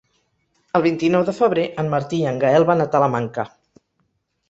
El vint-i-nou de febrer en Martí i en Gaël van a Talamanca.